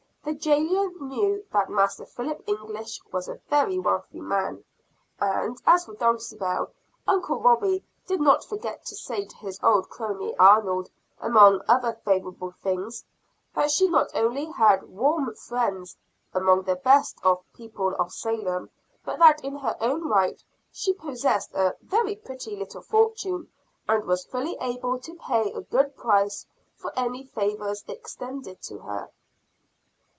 The jailer knew that Master Philip English was a very wealthy man; and, as for Dulcibel, Uncle Robie did not forget to say to his old crony Arnold, among other favorable things, that she not only had warm friends, among the best people of Salem, but that in her own right, she possessed a very pretty little fortune, and was fully able to pay a good price for any favors extended to her.